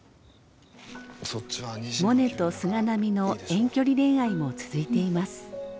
モネと菅波の遠距離恋愛も続いています。